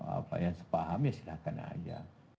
apa yang sepaham ya silahkan aja